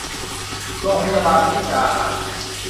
โรงพยาบาลมุกดาหาร